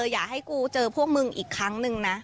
อย่าให้กูเจอพวกมึงอีกครั้งนึงนะ